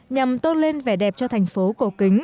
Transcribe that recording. nhằm tôn lên vẻ đẹp cho thành phố